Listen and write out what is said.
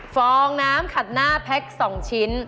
ฟองน้ำขัดหน้าแพ็ค๒ชิ้น